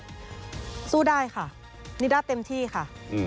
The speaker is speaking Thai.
ก็สู้ได้ค่ะนิด้าเต็มที่ค่ะ